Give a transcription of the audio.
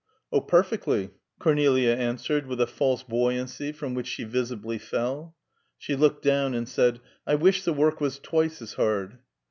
"Oh, perfectly," Cornelia answered with a false buoyancy from which she visibly fell. She looked down, and said, "I wish the work was twice as hard!"